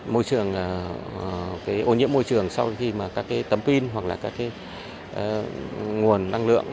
môi trường ô nhiễm môi trường sau khi các tấm pin hoặc là các nguồn năng lượng